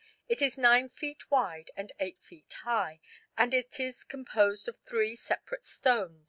It is 9 feet wide and 8 feet high, and it is composed of three separate stones.